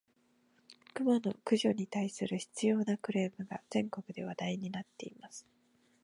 クマの駆除に対する執拗（しつよう）なクレームが、全国で問題になっています。